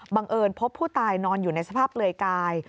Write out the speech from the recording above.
เอิญพบผู้ตายนอนอยู่ในสภาพเปลือยกาย